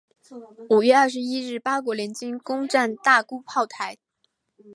五月二十一日八国联军攻战大沽炮台。